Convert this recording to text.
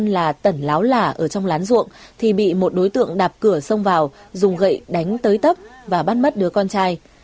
là tẩn láo lả ở trong lán ruộng thì bị một đối tượng đạp cửa xông vào dùng gậy đánh tới tấp và bắt mất đứa con trai